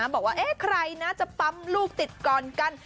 บอกว่าใครนะจะปั๊มลูกติดก่อนกัน